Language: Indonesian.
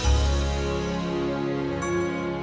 pertama kali pak